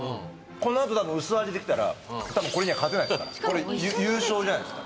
このあと薄味できたら多分これには勝てないですから優勝じゃないですか？